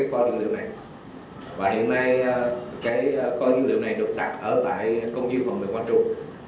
kho dữ liệu này và hiện nay kho dữ liệu này được đặt ở tại công viên phòng mềm quan trọng